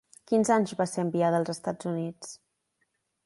Quins anys va ser enviada als Estats Units?